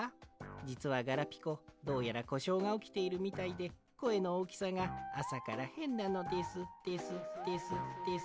じつはガラピコどうやらこしょうがおきているみたいでこえのおおきさがあさからへんなのですですですです。